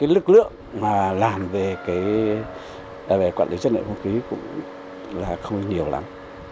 lực lượng mà làm về quản lý chất lượng không khí cũng không nhiều lắm